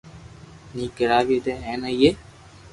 ني کراوي دي ھين اپي